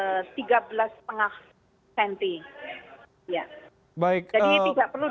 jadi tidak perlu dikhawatirkan